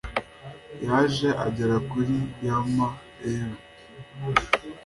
Yaje agera kuri . yama euro.